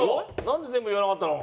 なんで全部言わなかったの？